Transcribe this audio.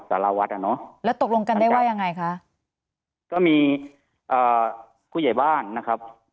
สารวัตรอ่ะเนอะแล้วตกลงกันได้ว่ายังไงคะก็มีอ่าผู้ใหญ่บ้านนะครับ